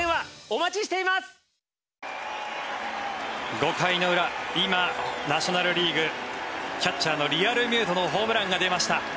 ５回の裏今、ナショナル・リーグキャッチャーのリアルミュートのホームランが出ました。